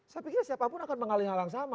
saya pikirnya siapapun akan mengalih hal yang sama